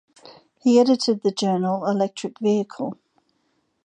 He edited the journal "Electric Vehicle".